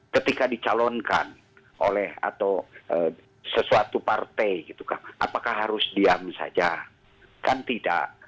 ketika dicalonkan oleh atau sesuatu partai gitu kan apakah harus diam saja kan tidak